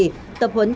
tập huấn thử nghiệm